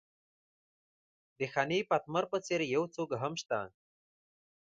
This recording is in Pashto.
د حنیف اتمر په څېر یو څوک هم شته.